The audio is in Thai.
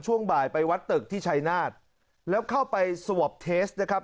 ช่วงบ่ายไปวัดตึกที่ชัยนาฏแล้วเข้าไปสวอปเทสนะครับ